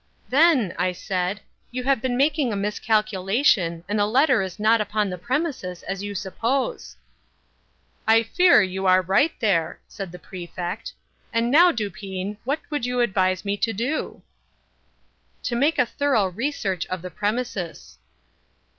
"Then," I said, "you have been making a miscalculation, and the letter is not upon the premises, as you suppose." "I fear you are right there," said the Prefect. "And now, Dupin, what would you advise me to do?" "To make a thorough re search of the premises."